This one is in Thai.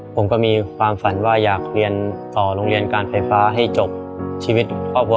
ผมก็มีความฝันว่าอยากเรียนต่อโรงเรียนการไฟฟ้าให้จบชีวิตครอบครัว